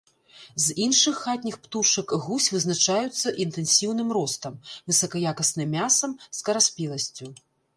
З іншых хатніх птушак гусь вызначаюцца інтэнсіўным ростам, высакаякасным мясам, скараспеласцю.